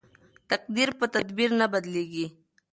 تقدیر په تدبیر نه بدلیږي.